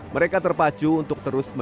mereka terpacu untuk terus meneruskan